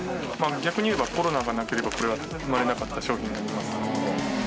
逆に言えばコロナがなければこれは生まれなかった商品になります。